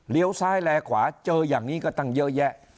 ซ้ายแลขวาเจออย่างนี้ก็ตั้งเยอะแยะ